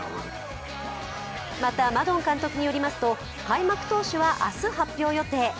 また、マドン監督によりますと、開幕投手は明日発表予定。